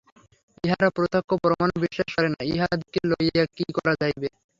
ইহারা প্রত্যক্ষ প্রমাণও বিশ্বাস করে না–ইহাদিগকে লইয়া কী করা যাইবে?